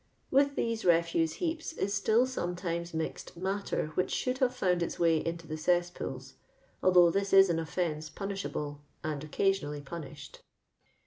"With these refuse heaps is still sometimes mixed matter which should havo found its way into the cesspools, although this is an oifeuco punishable, auJ occasionally punished.